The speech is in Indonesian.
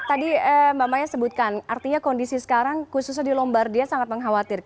tadi mbak maya sebutkan artinya kondisi sekarang khususnya di lombardia sangat mengkhawatirkan